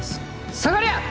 下がりゃ！